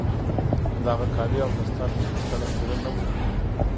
د هغه کالي او دستار مې هېڅ کله خيرن نه وو ليدلي.